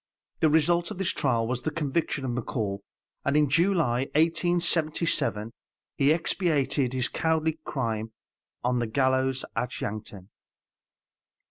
The result of this trial was the conviction of McCall, and in July, 1877, he expiated his cowardly crime on the gallows at Yankton.